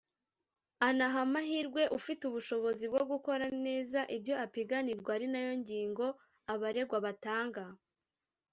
anaha amahirwe ufite ubushobozi bwo gukora neza ibyo apiganirwa ari nayo ngingo abaregwa batanga